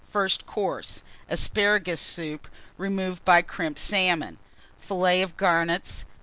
First Course. Asparagus Soup, removed by Crimped Salmon. Fillets of Garnets.